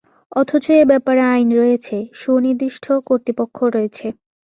অথচ এ ব্যাপারে আইন রয়েছে, সুনির্দিষ্ট কর্তৃপক্ষও রয়েছে।